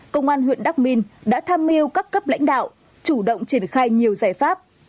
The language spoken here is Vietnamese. công an huyện đắc minh đã tham mưu các cấp lãnh đạo chủ động triển khai nhiều giải pháp